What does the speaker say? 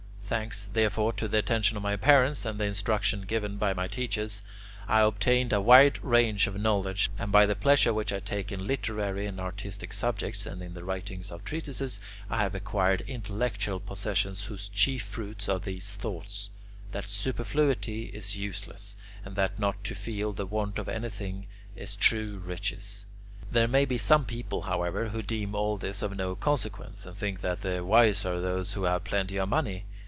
Thanks, therefore, to the attention of my parents and the instruction given by my teachers, I obtained a wide range of knowledge, and by the pleasure which I take in literary and artistic subjects, and in the writing of treatises, I have acquired intellectual possessions whose chief fruits are these thoughts: that superfluity is useless, and that not to feel the want of anything is true riches. There may be some people, however, who deem all this of no consequence, and think that the wise are those who have plenty of money.